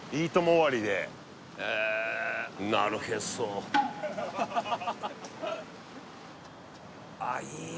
終わりでへえなるへそあっいいね